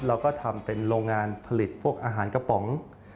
เราก็ทำเป็นโรงงานผลิตพวกอาหารกระป๋อง